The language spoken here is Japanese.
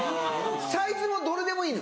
サイズもどれでもいいの？